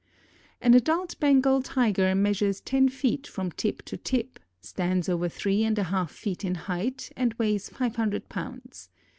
An adult Bengal Tiger measures ten feet from tip to tip, stands over three and a half feet in height and weighs five hundred pounds.